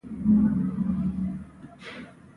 که ژوندي وي نورستان ته خامخا لاړ شئ.